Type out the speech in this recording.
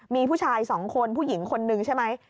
มีผู้ชาย๒คนผู้หญิงคนนึงใช่ไหม